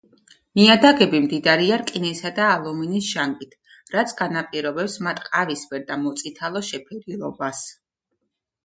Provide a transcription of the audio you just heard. ნიადაგები მდიდარია რკინისა და ალუმინის ჟანგით, რაც განაპირობებს მათ ყავისფერ და მოწითალო შეფერილობას.